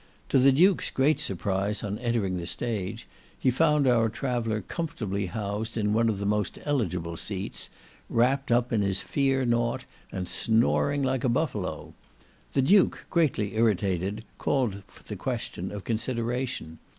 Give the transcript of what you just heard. To the Duke's great surprise on entering the stage, he found our traveller comfortably housed in one of the most eligible seats, wrapt up in his fear nought, and snoring like a buffalo. The Duke, greatly irritated, called for the question of consideration.